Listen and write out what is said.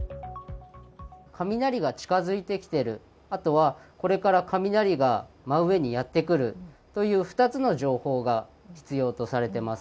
雷が近づいてきている、あとはこれから雷が真上にやって来るという２つの情報が必要とされています。